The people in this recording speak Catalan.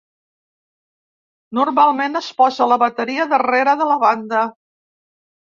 Normalment es posa la bateria darrera de la banda.